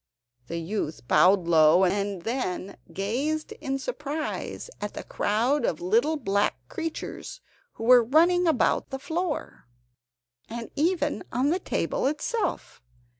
The youth bowed low, and then gazed in surprise at the crowd of little black creatures who were running about the floor, and even on the table itself.